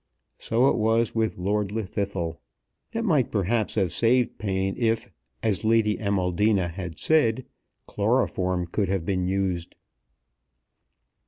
So it was with Lord Llwddythlw. It might, perhaps, have saved pain if, as Lady Amaldina had said, chloroform could have been used.